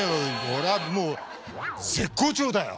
俺はもう絶好調だよ！